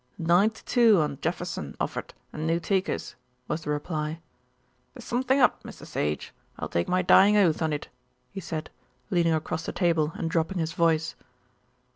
"Nine to two on Jefferson offered; and no takers," was the reply. "There's something up, Mr. Sage; I'll take my dying oath on it," he said, leaning across the table and dropping his voice.